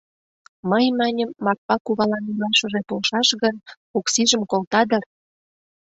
Мый маньым, Марпа кувалан илашыже полшаш гын, Оксижым колта дыр.